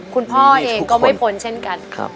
คุณพ่อเองก็ไม่พ้นเช่นกัน